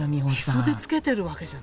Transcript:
へそでつけてるわけじゃなかったのよ